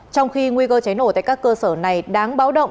trong khi nguy cơ cháy nổ tại các cơ sở này đáng báo động